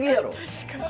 確かに。